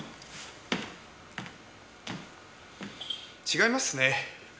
違いますね。